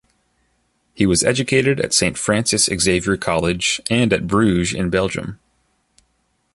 He was educated at Saint Francis Xavier College, and at Bruges in Belgium.